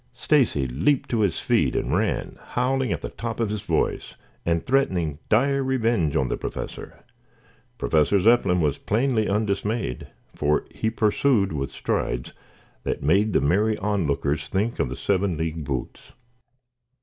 Stacy leaped to his feet and ran, howling at the top of his voice, and threatening dire revenge on the Professor. Professor Zepplin was plainly undismayed, for he pursued with strides that made the merry onlookers think of the seven league boots.